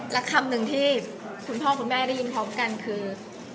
และคำหนึ่งที่คุณพ่อคุณแม่ได้ยินพร้อมกันคือ